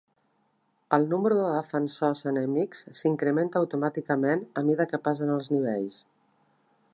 El número de defensors enemics s'incrementa automàticament a mida que passen els nivells.